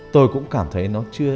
tôi cũng cảm thấy nó chưa